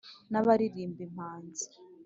N’abaririmba impanzi